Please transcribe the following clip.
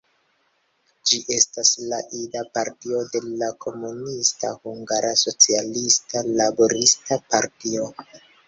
Ĝi estas la ida partio de la komunista Hungara Socialista Laborista Partio.